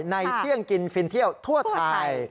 เที่ยงกินฟินเที่ยวทั่วไทย